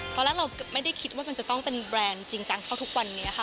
ตอนแรกเราไม่ได้คิดว่ามันจะต้องเป็นแบรนด์จริงจังเท่าทุกวันนี้ค่ะ